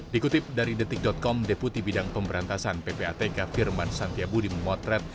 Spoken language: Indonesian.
dikutip dari detik com deputi bidang pemberantasan ppatk firman santiabudi memotret